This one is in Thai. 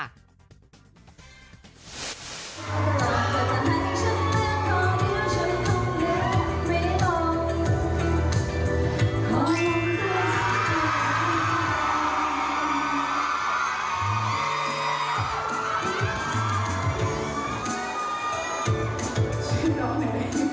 ทรีย์ของมันเองนะเต้นใครค่ะ